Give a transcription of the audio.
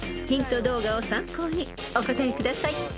［ヒント動画を参考にお答えください］